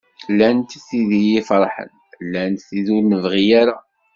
Llant tid iyi-ferḥen llant tid ur nebɣi ara.